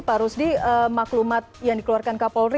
pak rusdi maklumat yang dikeluarkan kapolri